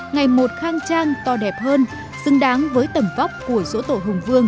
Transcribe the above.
ngày một khang trang to đẹp hơn xứng đáng với tầm vóc của sổ tổ hùng vương lễ hội đền hùng